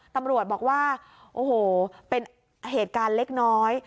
ตำรวจบอกว่าโอ้โหเป็นเหตุการณ์เล็กน้อย